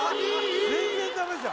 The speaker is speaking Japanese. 全然ダメじゃん